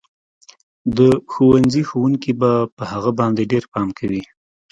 د ښوونځي ښوونکي به په هغه باندې ډېر پام کوي